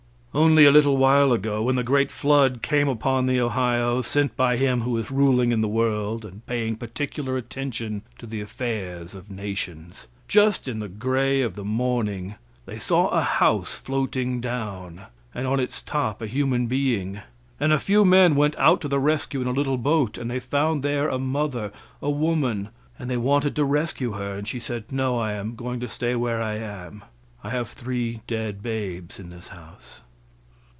Only a little while ago, when the great flood came upon the Ohio, sent by him who is ruling in the world and paying particular attention to the affairs of nations, just in the gray of the morning they saw a house floating down, and on its top a human being; and a few men went out to the rescue in a little boat, and they found there a mother, a woman, and they wanted to rescue her, and she said: "No, I am going to stay where I am. I have three dead babes in this house."